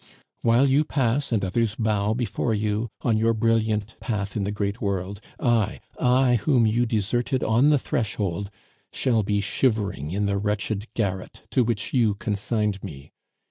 While you pass, and others bow before you, on your brilliant path in the great world, I, I whom you deserted on the threshold, shall be shivering in the wretched garret to which you consigned me.